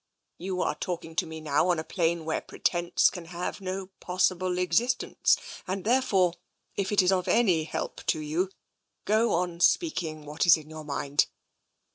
You are talking to me now on a plane where pretence can have no possible existence, and therefore, if it is of any help to you, go on speaking what is in your mind.